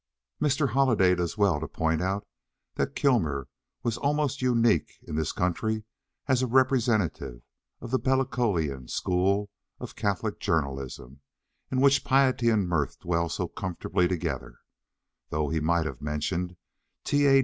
Mr. Holliday does well to point out that Kilmer was almost unique in this country as a representative of the Bellocian School of Catholic journalism, in which piety and mirth dwell so comfortably together; though he might have mentioned T. A.